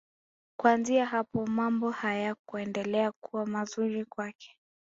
Kuanzia hapo mambo hayakuendelea kuwa mazuri kwake.